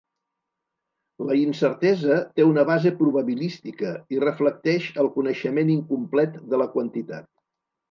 La incertesa té una base probabilística i reflecteix el coneixement incomplet de la quantitat.